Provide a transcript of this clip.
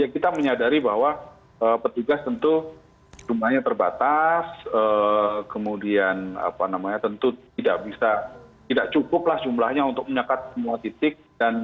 kita menyadari bahwa petugas tentu jumlahnya terbatas kemudian tentu tidak bisa tidak cukup lah jumlahnya untuk menyekat semua titik